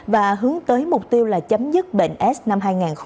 và hướng tới mục tiêu là chấm dứt bệnh s năm hai nghìn ba mươi